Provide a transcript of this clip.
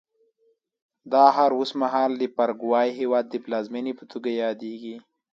دا ښار اوس مهال د پاراګوای هېواد پلازمېنې په توګه یادېږي.